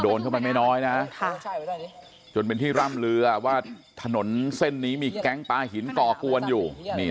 โดนเข้าไปไม่น้อยนะจนเป็นที่ร่ำลือว่าถนนเส้นนี้มีแก๊งปลาหินก่อกวนอยู่